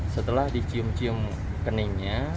setelah dicium cium keningnya